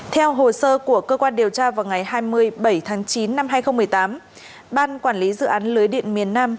theo hồ sơ của cơ quan điều tra vào ngày hai mươi bảy tháng chín năm hai nghìn một mươi tám ban quản lý dự án lưới điện miền nam